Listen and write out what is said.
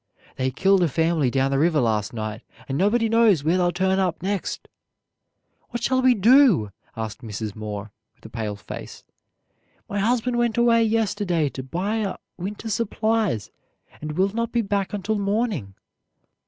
They killed a family down the river last night, and nobody knows where they'll turn up next!" "What shall we do?" asked Mrs. Moore, with a pale face. "My husband went away yesterday to buy our winter supplies, and will not be back until morning."